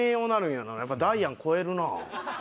やっぱダイアン超えるな。